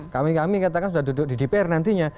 kami kami katakan sudah duduk di dpr nantinya